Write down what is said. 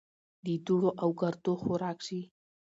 د دوړو او ګردو خوراک شي .